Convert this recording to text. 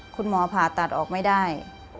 คุณหมอผ่าตัดออกไม่ได้